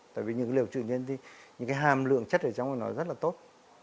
tại vì những dược liệu tự nhiên thì những hàm lượng chất ở trong nó rất là tốt